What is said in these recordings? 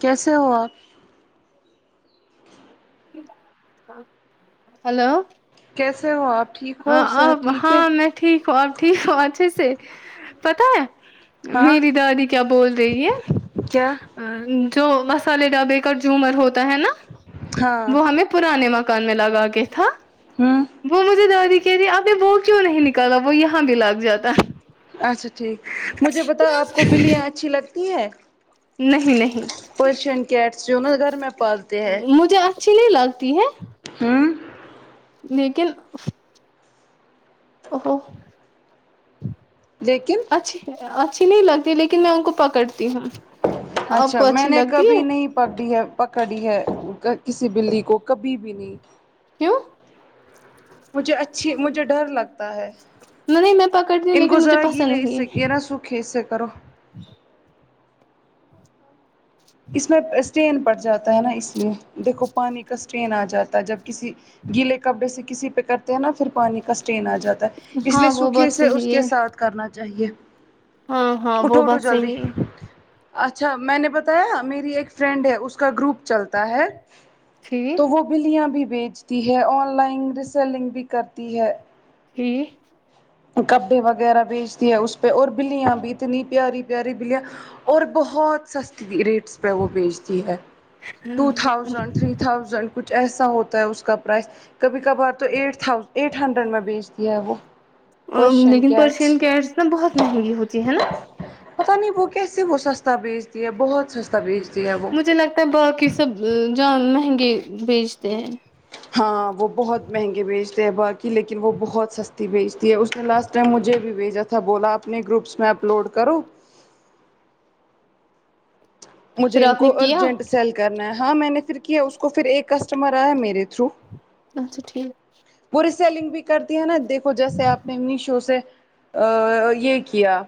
کیسے ہو آپ ہلو کیسے ہو آپ ٹھیک ہو آہاں صحت ٹھیک ہے وہاں میں ٹھیک ہوں اب ٹھیک ہوں اچھے سے پتا ہے ہاں میری دادی کیا بول رہی کیا ہے جو مسالے ڈھابے کا جوومر ہوتا ہے نا ہاں وہ ہمیں پرانے مکان میں لگا کے تھا ہم وہ مجھے دادی کہہتیی ابھی وہ کیوں نہیں نکالا وہ یہاں بھی لگ جاتا اچھا ٹھیک مجھے بتاؤ آپ کو بلیاں اچھی لگتی ہیں نہیں نہیں فیشن کییٹس جو نا گھر میں پالتے ہیں مجھے اچھی نہیں لگتی ہے ہوں لیکن اہو لیکن اچ اچھی نہیں لگتی لیکن میں ان کو پکڑتی ہوں آپ اچھا کو میں اچھی نے لگتی کبھی ہے نہیں پکڑی ہے پکڑی ہے کسی بلی کو کبھی بھی نہیں کیوں مجھے اچھی مجھے ڈر لگتا ہے نہیں میں پکڑتی ہوں ان کو لیکن مجھے ذرا پسند گیلے اس نہیں سے ہے یہ نا سوکھ کہ سے کرو اس میں اسٹین پڑ جاتا ہے نا اس لیے دیکھو پانی کا اسٹین آ جاتا ہے جب کسی گیلے کپڑے سے کسی پہ کرتے نا پھر پانی کا اسٹین آ جاتا ہے اس ہاں لیے وہ سوکھی بات سے اس صحیح کے ہے ساتھ کرنا چاہیے ہاں ہاں وہ اٹھو اٹھو بات جلدی صحیح ہے اچھا میں نے بتایا میری ایک فرینڈ ہے اس کا گروپ چلتا ہے ٹھیک تو وہ بلیاں بھی بیچتی ہے آن لائن ریسلنگ بھی کرتی ہے [unintelligible] کپڑے وغیرہ بیچتی ہے اس پہ اور بلیاں بھی اتنی پیاری پیاری بلیاں اور بہت سستی ریٹس پہ وہ بیچتی ہے ٹو تھاؤزینڈ تھری تھاؤزینڈ کچھ ایسا ہوتا ہے اس کا پرائس کبھی کبھار تو ایٹ تھا ایٹ ہنڈریڈ میں بیچ دیا ہے وہ ہم پرشین لیکن کیٹس پرشین کیڈس نا بہت مہنگی ہوتی ہے نا پتا نہیں وہ کیسے وہ سستا بھیجتی ہے بہت سستا بیچتی ہے وہ مجھے لگتا ہے باقی سب جو مہنگے بیچتے ہیں ہاں وہ بہت مہنگے بیچتے ہیں باقی لیکن وہ بہت سستی بیچتی ہے اس نے لاسٹ اس نے مجھے بھیجا تھا بولا اپنے گروپس میں اپلوڈ کرو مجھے پھر ان آپ کو نے کیا ارجنٹ سیل کرنا ہے ہاں میں نے پھر کیا اس کو پھر ایک کسٹمر آیا میرے تھرو اچھا ٹھیک وہ سیلنگ بھی کرتی ہے نا دیکھو جیسے آپ نے میشو سے ا یہ کیا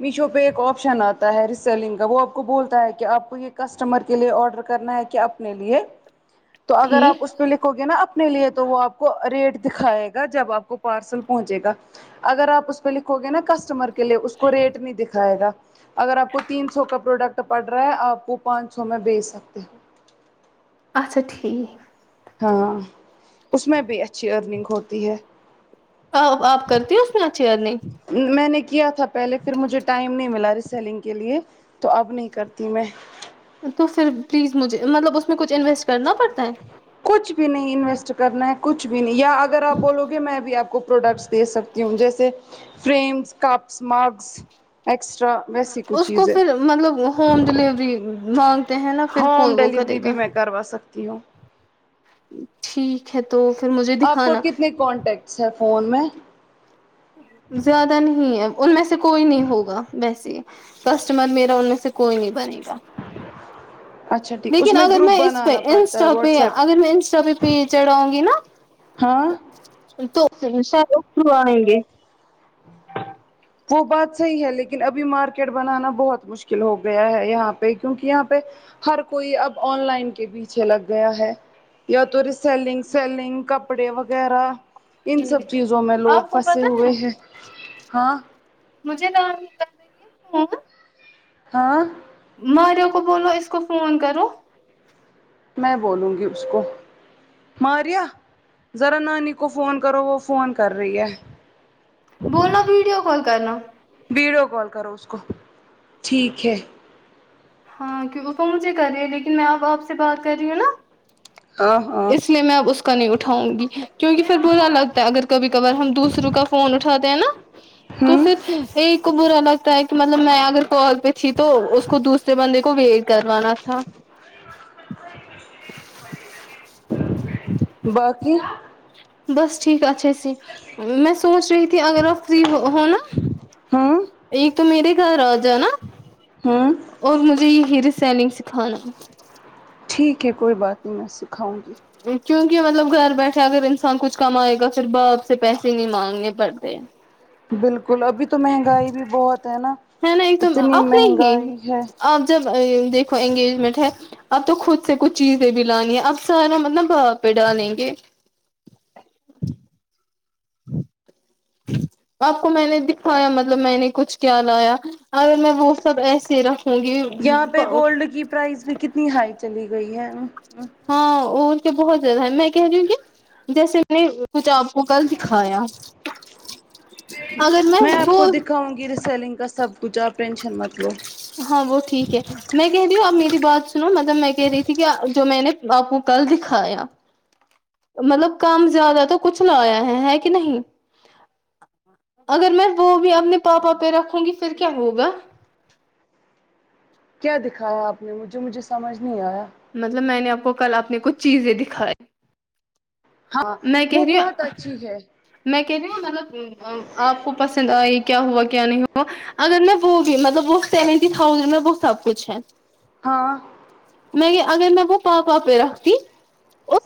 میشو پہ ایک آپشن آتا ہے ریسیلنگ کا وہ کو بولتا ہے کہ آپ کو یہ کسٹمر کے لیے آرڈر کرنا ہے کہ اپنے لیے تو اگر آپ ٹھیک اس پہ لکھو گے ناپ نے لیے تو وہ آپ کو ریٹ دکھائے گا جب آپ کو پارسل پہنچے گا اگر آپ پہ لکھو گے نا کسٹمر لے اس کو ریٹ نہیں دکھائے گا اگر آپ کو تین سو کا پروڈکٹ پڑ رہا ہے آپ وہ پانچ سو میں بیج سکتے ہو اچھا ٹییک ہاں اس میں بھی اچھی ارننگ ہوتی ہے آ آپ کرتی ہو اس میں اچھی ارننگ میں نے کیا تھا پہلے پھر مجھے ٹائم نہیں ملا رہی سیلنگ کے لیے تو اب نہیں کرتی میں تو پھر پلیز مجھے مطلب اس میں کچھ انویسٹ کرنا پڑتا ہے کچھ بھی نہیں انویسٹ کرنا ہے کچھ بھی نہیں یا اگر آپ بولو گے میں بھی آپ کو پروڈکٹس دےسکتی ہوں جیسے فریمس کپس مارکس ایکسٹرا اس کو پھر مطلب ہوم ڈلیوری مانگ ہوم ڈلیوری بھی میں کروا سکتی ہوں ٹھیک ہے تو پھر مجھے دکھانا کانٹیکٹ سے فون میں زیادہ نہیں ہے ان میں سے کوئی نہیں ہوگا ویسے کسٹمر میرا ان میں سے کوئی نہیں بنے گا اچھا ٹھیک اس لیکن اگر گروپ میں اس پہ بنانا پڑتا ہے انسٹا پہ واٹس ایپ اگر میں انسٹا پہ پہ چڑھاؤں گی نا ہاں تو انسٹا کے تھرو آئینگے وہ بات صحیح ہے لیکن ابھی مارکیٹ بنانا بہت مشکل ہو گیا ہے یہاں پہ کیونکہ یہاں پہ ہر کوئی اب آن لائن کے پیچھے لگ گیا ہے یا تو ری سیلنگ سیلنگ کپڑے وغیرہ ان سب چیزوں میں لوگ آپ کو پھنسے پتا ہوئے ہے ہیں ہاں مجھے نام نکل رہی ہے ہے نا ہاں مارو کو بولو اس کو فون کرو میں بولوں گی اس کو ماریا ذرا نانی کو فون کرو وہ فون کر رہی ہے بولنا ویڈیو کال کرنا ویڈیو کال کرو اس کو ٹھیک ہے ہاں کی تومس کرے لیکن میں اب آپ سے بات کر رہی ہوں نا ہاں ہاں اس لیے میں اب اس کو کا نہیں اٹھاؤں گی کیونکہ پھر برا لگتا ہے اگر کبھی کبار ہم دوسروں کا فون اٹھاتے ہیں نا تو ہوں پھر ایک کو برا لگتا ہے کہ مطلب میں اگر کال پہ تھی تو اس کو دوسرا بندے کو ویٹ کروانا تھا باقی بس ٹھیک اچھے سے میں سوچ رہی تھی اگر آپ فری ھو ہونا ہوں ایک تو میرے گھر آجا نا ھم اور مجھے یہ ہیئر سیلنگ سکھانا ٹھیک ہے کوئی بات نہیں میں سکھاؤں گی کیونکہ مطلب گھر بیٹھے اگر انسان کچھ کمائے گا پھر باپ سے پیسے نہیں مانگنے پڑتے بالکل ابھی تو مہنگائی بھی بہت ہے نا ہے نا ایک تو اتنی اپنے ہی مہنگائی ہے اب جب دیکھو انگیجمنٹ ہے اب تو خود سے کچھ چیزیں بھی لانی ہے اب سارا مطلب باں پہ ڈالیں گے ج آپ کو میں نے دکھایا مطلب میں نے کچھ کیا لایا اگر میں وہ سب ایسے رہ ہونگی یہاں پہ گولڈ کی پرائز بھی کتنی ہائی چلی گئی ہے ن ہاں وہ کہ بہت زیادہ ہے میں کیا جی کہ جیس پا وہ کل سکھایا میں آپ کو دکھاؤں گی ریسیلنگ کا سب کچھ آپ ٹینشن مت لو ہاں وه ٹھیک ہے میں کہہ رہی ہوں آپ میری بات سنو مطلب میں کہہ رہی تھی کہ جو میں نے آپ کو کل دکھایا مطلب کام زیادہ تو کچھ لایا ہے ہے کہ نہیں اگر میں وہ بھی اپنے پاپا پہ رکھوں گی پھر کیا ہوگا کیا دکھایا آپ نے مجھے مجھے سمجھ نہیں آیا مطلب میں نے آپ کو کل اپنے کچھ چیزیں دکھائی ہاں میں وہ کہہ رہی بہت ہوں اچھی ہے میں کہتی ن مطلب آپ کو پسند آئی کیا ہوا کیا نہیں ہوا اگر میں وہ بھی مطلب وہ سیونٹی تھازینڈ میں وہ سب کچھ ہے ہاں میں اگر میں وہ پاپا پہ رکھتی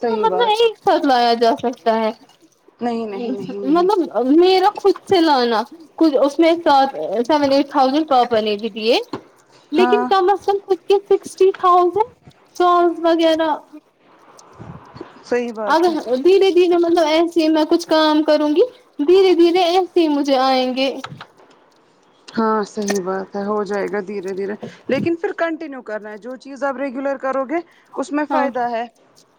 صحیح بات ہے س لیا جا سکتا ہے نہیں نہیں نہیں نہیں مطلب میرا خود سے لانا ک اس میں ساتھ سیون ایٹ تھاؤزینڈ پاپا لے کے دیے لیکن ہاں کم از کم فیفڈی سکسٹی تھاوزینڈ سوز وغیرہ صحیح بات ہے اگر دھیرے دھیرے مطلب ایسے میں کچھ کام کروں گی دھیرے دھیرے ایسے ہی مجھے آئیں گے ہاں صحیح بات ہے ہو جائے گا دھیرے دھیرے لیکن پھر کنٹینیو کرنا ہے جو چیز آپ ریگولر کرو گے اس میں ہاں فائدہ ہے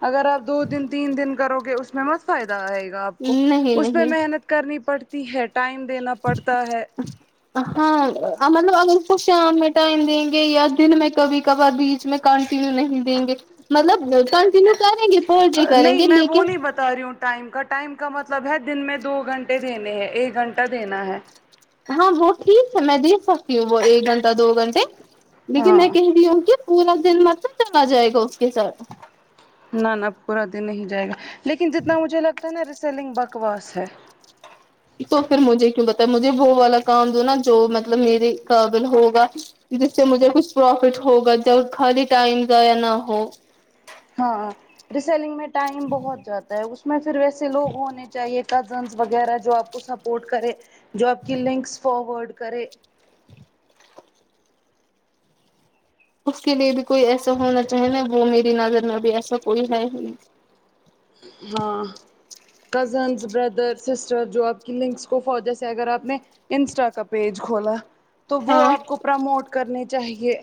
اگر آپ دو دن تین دن کرو گے اس میں مت فائدہ آئے گا آپ کو نہیں اس پہ نہیں محنت کرنی پڑتی ہے ٹائم دینا پڑتا ہے ہاں آں مطلب اگر اس کو شام میں ٹائم دیں گے یا دن میں کبھی کبھار بیچ میں کنٹینیو نہیں دیں گے مطلب کنٹینیو کریں گے پر جی کریں گے لیکن تا ری ہوں ٹائم کا ٹائم کا مطلب ہے دن میں دو گھنٹے دینے ہے ایک گھنٹہ دینا ہے ہاں وہ ٹھیک ہے میں دیکھ سکتی ہوں وہ ایک گھنٹہ دو گھنٹے لیکن میں ہاں کہہ ری ہوں کہ پورا دن مطلب چلا جائے گا اس کے ساتھ نا نا پورا دن نہیں جائے گا لیکن جتنا مجھے لگتا ہے نا ریسیلنگ بکواس ہے تو پھر مجھے کیوں بتا مجھے وہ والا کام دو نا جو مطلب میرے قابل ہوگا جس سے مجھے کچھ پروفٹ ہوگا جب خالی ٹائم ضایہ نہ ہو ہاں ریسیلنگ میں ٹائم بہت جاتا ہے اس میں پھر ویسے لوگ ہونے چاہیے کزنس وغیرہ جو آپ کو سپورٹ کرے جو آپ کی لنکس فاروڈ کرے اس کے لیے بھی کوئی ایسا ہونا چاہے نا وہ میری نظر میں بھی ایسا کوئی نہیں وہاں کزنس بردر سسٹر جو آپ کی لنکس کو فوجے سے اگر آپ نے انسٹا کا پیج کھولا تو وہ ہاں آپ کو پرموٹ کرنے چاہیے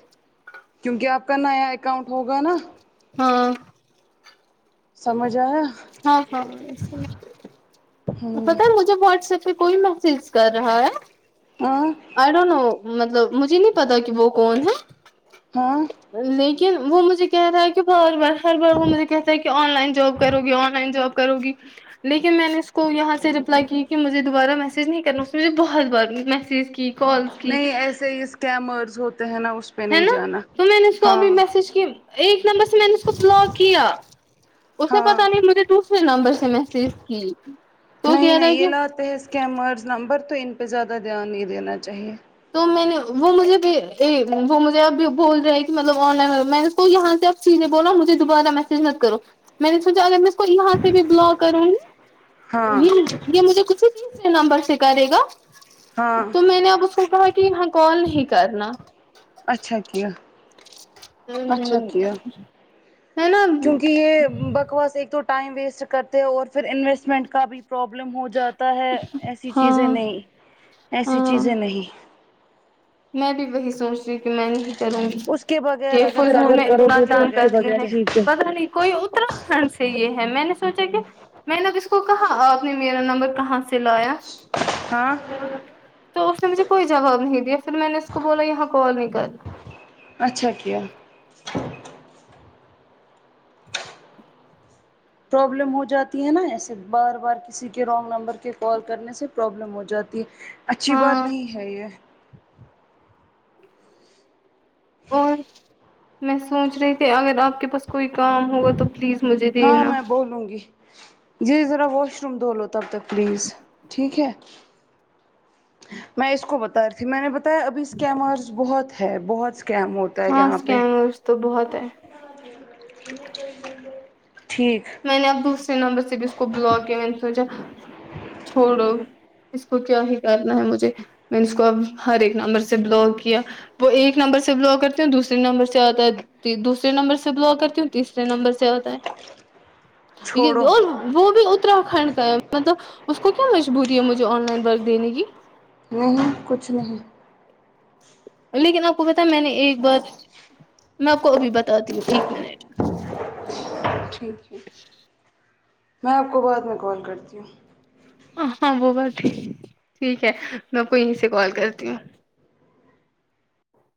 کیونکہ آپ کا نیا اکاؤنٹ ہوگا نا ہاں سمجھ آیا ہاں ہاں ہوں پتا ہے مجھے واٹسپ پھر کوئی میسج کر رہا ہے آں آئی ڈونٹ نو مطلب مجھے نہیں پتا کہ وہ کون ہے ہاں لیکن وہ مجھے کہہ رہا ہے کہ بار بار ہر بار وہ مجھے کہتا ہے کہ آن لائن جاب کرو آن لائن جاب کرو گی لیکن میں نے اس کو یہاں سے رپلائی کی کہ مجھے دوبارہ میسج نہیں کرنا اس نے مجھے بہت بار میسج کی کالس کی نہیں ایسے ہی اسکامرض ہوتے ہیں نا اس پہ ہے نہیں نا جانا تو میں نے اس کو ہاں ابھی میسج کی ایک نمبر سے میں نے اس کو بلاک کیا اس نے ہاں پتاہ نہیں مجھے دوسرے نمبر سے میسج کی تو نہیں کہہ رہا نہیں ہے یہ کے لاتے ہیں اسکیمرز نمبر تو ان پہ زیادہ دھیان نہیں دینا چاہیے تو میں نے وہ مجھے بھی وہ مجھے اب بول رہے ہیں کہ مطلب آن لائن میں نے اس کو یہاں سے نے بولا مجھے دوبارہ میسج مت کرو میں نے سوچا اگر میں اس کو یہاں سے بھی بلاک کروں ہاں یہ یہ مجھے کسی نمبر سے کرے گا ہاں تو میں نے اب اس [unintelligible] کہا کہ یہاں کال نہیں کرنا اچھا کیا اچھا کیا ہے نا کیونکہ یہ بکواس ایک تو ٹائم ویسٹ کرتے ہیں اور پھر انویسٹمنٹ کا بھی پرابلم ہو جاتا ہے ایسی چیزیں ہاں نہیں ایسی ہاں چیزیں نہیں میں بھی وہی سوچ رہی کہ میں نہیں کروں گی اس کے بغیر یہ اگر فل کرو میں گے تو اتنا اس کے د بغیر ٹھیک ہے کرتے [unintelligible] پتا نہیں کوئی اترا کھنڈ سے یہ ہے میں نے سوچا کہ میں نے اب اس کو کہا آپ نے میرا نمبر کہاں سے لایا ہاں تو اس نے مجھے کوئی جواب نہیں دیا پھر میں نے اس کو بولا یہاں کال نہیں کرنا اچھا کیا پرابلم ہو جاتی ہے نا ایسے بار بار کسی کے رانگ نمبر کے کال کرنے سے پرابلم ہو جاتی ہے اچھی بات ہاں نہیں ہے یہ اور میں سوچ رہی تھی اگر آپ کے پاس کوئی کام ہوگا تو پلیز مجھے دینا بوولوگی جی ذرا واش روم د لو تب تک پلیز ٹھیک ہے میں اس کو بتا رہ تھی میں نے بتایا ابھی اسکیمرز بہت ہے بہت اسکیم ہو ہاں اسکینرس تو بہت ہے ٹھیک میں نے اب دوسرے نمبر سے بھی اس کو بلاک کیا میں نے سوچا چھوڑو اس کو کیا ہی کرنا ہے مجھے میں اس کو اب ہر ایک نمبر سے بلاک کیا وہ ایک نمبر سے بلاگ کرتے ہیں دوسے نمبر سے آتا ہے دوسرے نمبر سے بلا کرتی ہوں تیسرے نمبر سے آتا ہے یہ چھوڑو اور وہ بھی اتراکھنڈ کا ہے مطلب اس کو کیا مجبوری ہے مجھے آن لائن بس دینے کی نہیں کچھ نہیں لیکن آپ کو بتا میں نے ایک بار میں آپ کو ابھی بتای ہوں ایک منٹ ٹھیک ٹھیک میں آپ کو بعد میں کال کرتی ہوں ہاں وہ بات ہے ٹھیک ہے میں کو یہیں سے کال کرتی ہوں